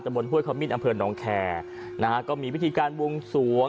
จำวนภวยความมิ้นอำเภิญนองค์แคร์นะฮะก็มีวิธีการวงสวง